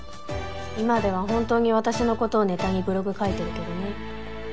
今では本当に私のことをネタにブログ書いてるけどね。